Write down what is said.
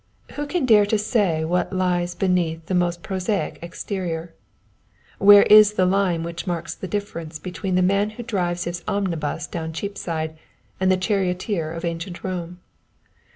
Who can dare to say what lies beneath the most prosaic exterior? Where is the line which marks the difference between the man who drives his omnibus down Cheapside and the charioteer of ancient Rome?